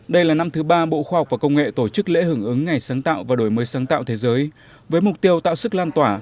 đây là năm thứ ba bộ khoa học và công nghệ tổ chức lễ hưởng ứng ngày sáng tạo và đổi mới sáng tạo thế giới với mục tiêu tạo sức lan tỏa